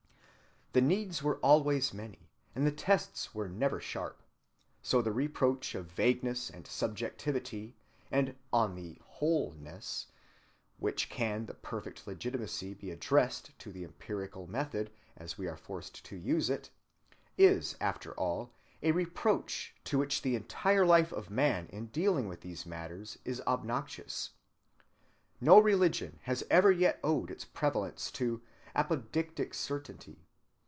The needs were always many, and the tests were never sharp. So the reproach of vagueness and subjectivity and "on the whole"‐ness, which can with perfect legitimacy be addressed to the empirical method as we are forced to use it, is after all a reproach to which the entire life of man in dealing with these matters is obnoxious. No religion has ever yet owed its prevalence to "apodictic certainty."